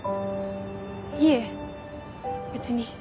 いえ別に。